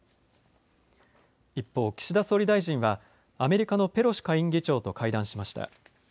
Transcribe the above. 一方、岸田総理大臣は、アメリカのペロシ下院議長と会談しました。